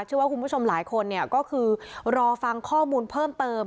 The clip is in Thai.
เชื่อว่าคุณผู้ชมหลายคนก็คือรอฟังข้อมูลเพิ่มเติม